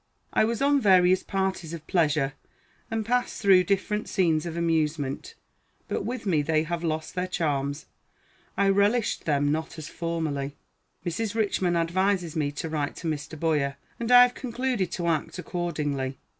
I was on various parties of pleasure, and passed through different scenes of amusement; but with me they have lost their charms. I relished them not as formerly. Mrs. Richman advises me to write to Mr. Boyer, and I have concluded to act accordingly.